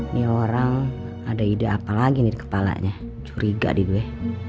ni orang ada ide apalagi kepala nya curiga di gue